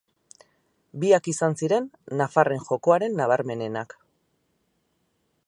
Biak izan ziren nafarren jokoaren nabarmenenak.